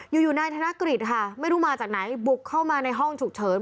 อยู่นายธนกฤษค่ะไม่รู้มาจากไหนบุกเข้ามาในห้องฉุกเฉิน